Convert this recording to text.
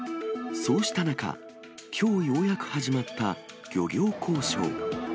そうした中、きょうようやく始まった漁業交渉。